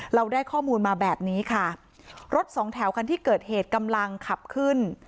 เราได้ข้อมูลมาแบบนี้ค่ะรถสองแถวคันที่เกิดเหตุกำลังขับขึ้น